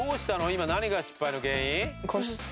今何が失敗の原因？